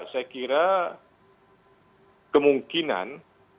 saya kira kemungkinan